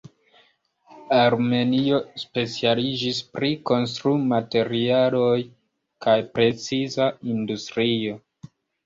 Armenio specialiĝis pri konstrumaterialoj kaj preciza industrio.